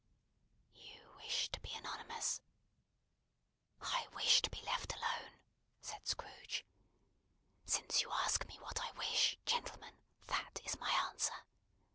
"You wish to be anonymous?" "I wish to be left alone," said Scrooge. "Since you ask me what I wish, gentlemen, that is my answer.